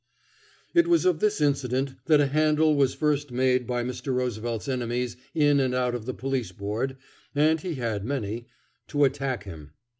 It was of this incident that a handle was first made by Mr. Roosevelt's enemies in and out of the Police Board and he had many to attack him.